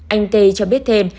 anh tê cho biết thêm